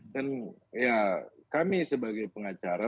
dan kami sebagai pengacara